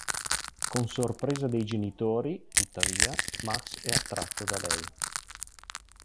Con sorpresa dei genitori, tuttavia, Max è attratto da lei.